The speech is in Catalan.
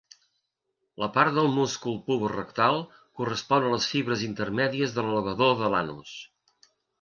La part del múscul puborectal correspon a les fibres intermèdies de l'elevador de l'anus.